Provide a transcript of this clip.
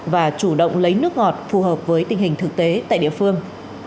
và chủ động lấy nước ngọt phù hợp với tình hình thực tế tại địa phương